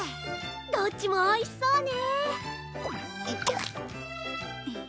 どっちもおいしそうね。